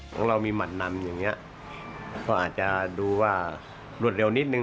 ของเรามีหมัดนำอย่างเงี้ยก็อาจจะดูว่ารวดเร็วนิดนึ